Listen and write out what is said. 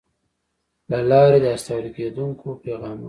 له لارې د استول کېدونکو پیغامونو